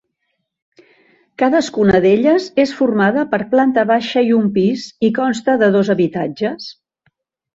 Cadascuna d'elles és formada per planta baixa i un pis, i consta de dos habitatges.